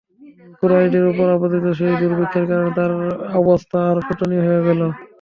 কুরাইশের উপর আপতিত সেই দুর্ভিক্ষের কারণে তাঁর অবস্থা আরো শোচনীয় হয়ে গেল।